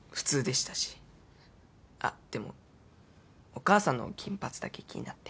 あっでもお母さんの金髪だけ気になって。